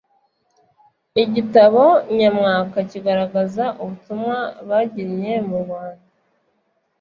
igitabo nyamwaka kigaragaza ubutumwa bagiriye mu rwanda